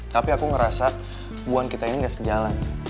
tapi aku ngerasa buah kita ini gak sejalan